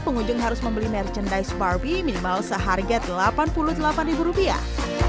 pengunjung harus membeli merchandise barbie minimal seharga delapan puluh delapan ribu rupiah